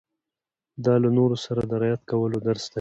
دا له نورو سره د رعايت کولو درس دی.